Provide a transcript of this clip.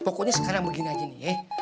pokoknya sekarang begini aja nih